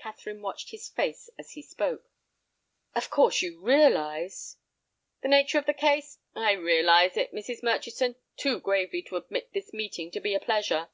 Catherine watched his face as he spoke. "Of course you realize—" "The nature of the case? I realize it, Mrs. Murchison, too gravely to admit this meeting to be a pleasure."